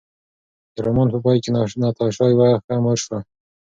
د رومان په پای کې ناتاشا یوه ښه مور شوه.